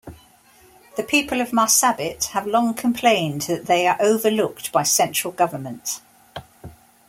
The people of Marsabit have long complained that they are overlooked by central government.